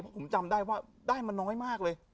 เพราะผมจำได้ว่าได้มาน้อยมากเลย